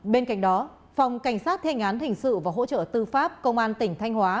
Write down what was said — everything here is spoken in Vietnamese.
bên cạnh đó phòng cảnh sát thênh án hình sự và hỗ trợ tư pháp công an tỉnh thanh hóa